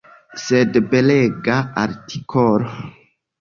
Sed belega artikolo!